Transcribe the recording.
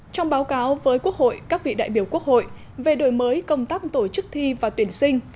trong báo cáo với quốc hội các vị đại biểu quốc hội về đổi mới công tác tổ chức thi và tuyển sinh